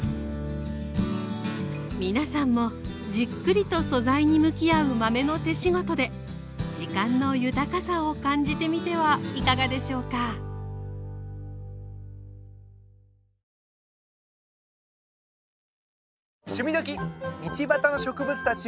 皆さんもじっくりと素材に向き合う豆の手仕事で時間の豊かさを感じてみてはいかがでしょうかひとり分のごはんは意外とハードルが高いもの。